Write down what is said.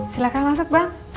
silahkan masuk bang